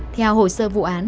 theo hồ sơ vụ án